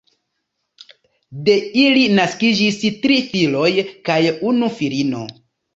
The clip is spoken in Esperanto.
De ili naskiĝis tri filoj kaj unu filino.